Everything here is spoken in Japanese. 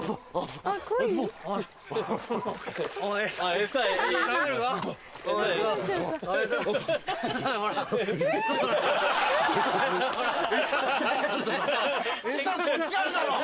エサこっちあるだろ！